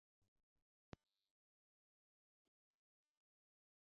রক্ষণশীলরা budget প্রত্যাখ্যান করে একটি নির্বাচন বাধ্য করতে চেয়েছিল।